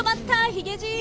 ヒゲじい。